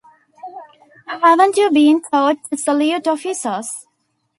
Haven't you been taught to salute officers?